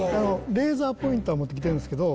レーザーポインターを持ってきてるんですけど